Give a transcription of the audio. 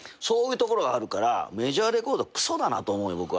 そういうところがあるからメジャーレコードはクソだなと思うよ。